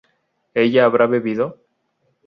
¿ella habrá bebido?